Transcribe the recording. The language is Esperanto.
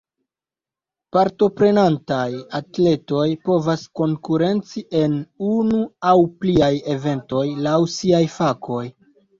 Partoprenantaj atletoj povas konkurenci en unu aŭ pliaj eventoj, laŭ siaj fakoj.